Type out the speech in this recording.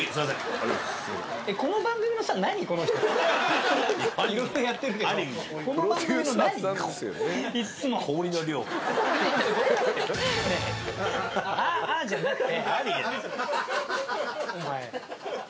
「あっあっ」じゃなくて。